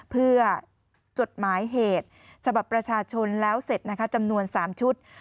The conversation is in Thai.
เพื่อจดหมายเหตุฉบับประชาชนแล้วเสร็จนะคะจำนวน๓ชุด